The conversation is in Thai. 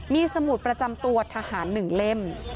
มีสมุดประจำตัวทหาร๑เล่ม